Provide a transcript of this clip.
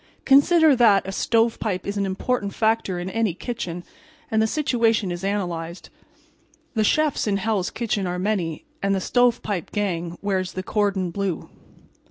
Consider that a stovepipe is an important factor in any kitchen and the situation is analyzed. The chefs in "Hell's Kitchen" are many, and the "Stovepipe" gang, wears the cordon blue.